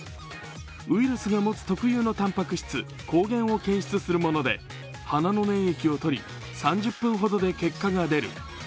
ウイルスが持つ特有のたんぱく質抗原を検出するもので、鼻の粘液をとり、３０分ほどで結果が出る。